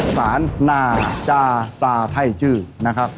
สามนะจราซาไทยจึหน่าครับ